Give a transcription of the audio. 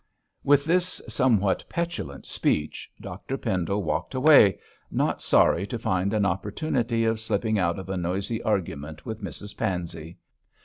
With this somewhat petulant speech Dr Pendle walked away, not sorry to find an opportunity of slipping out of a noisy argument with Mrs Pansey.